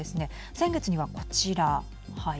先月にはこちら、はい。